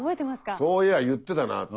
そういや言ってたなって。